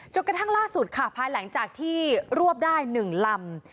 กระทั่งล่าสุดค่ะภายหลังจากที่รวบได้๑ลำ